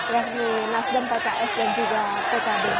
yang di nasdem pks dan juga pkb